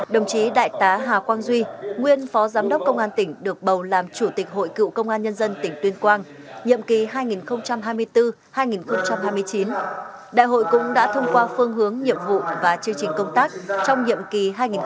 đồng chí đại tá hà quang duy nguyên phó giám đốc công an tỉnh được bầu làm chủ tịch hội cựu công an nhân dân tỉnh tuyên quang nhiệm kỳ hai nghìn hai mươi bốn hai nghìn hai mươi chín đại hội cũng đã thông qua phương hướng nhiệm vụ và chương trình công tác trong nhiệm kỳ hai nghìn hai mươi hai nghìn hai mươi năm